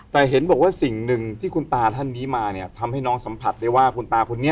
แต่เห็นบอกว่าสิ่งหนึ่งที่คุณตาท่านนี้มาเนี่ยทำให้น้องสัมผัสได้ว่าคุณตาคนนี้